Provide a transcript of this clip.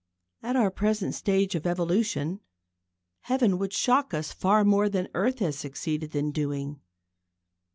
At our present stage of evolution, Heaven would shock us far more than earth has succeeded in doing.